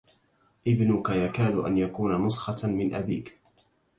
ابنك يكاد أن يكون نسخة من أبيك.